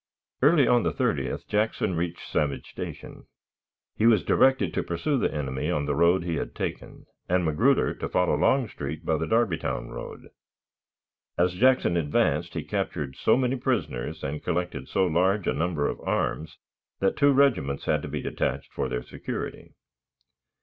Early on the 30th Jackson reached Savage Station. He was directed to pursue the enemy on the road he had taken, and Magruder to follow Longstreet by the Darbytown road. As Jackson advanced, he captured so many prisoners and collected so large a number of arms, that two regiments had to be detached for their security.